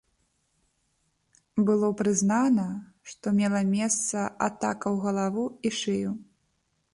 Было прызнана, што мела месца атака ў галаву і шыю.